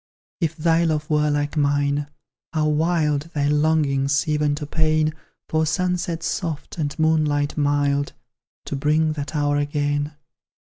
If thy love were like mine, how wild Thy longings, even to pain, For sunset soft, and moonlight mild, To bring that hour again!